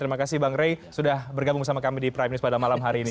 terima kasih bang rey sudah bergabung bersama kami di prime news pada malam hari ini